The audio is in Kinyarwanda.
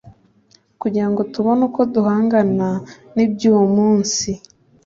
kugira ngo tubone uko duhangana n’iby’uwo munsi